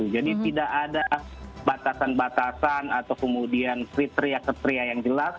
jadi tidak ada batasan batasan atau kemudian kriteria kriteria yang jelas